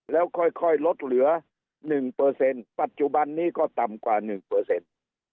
แล้วค่อยค่อยลดเหลือหนึ่งเปอร์เซ็นต์ปัจจุบันนี้ก็ต่ำกว่าหนึ่งเปอร์เซ็นต์